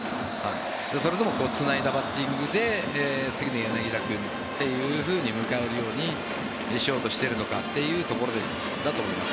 それともつないだバッティングで次の柳田君というふうに向かうようにしようとしているのかというところだと思います。